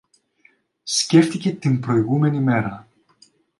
Σκέφτηκε την προηγούμενη μέρα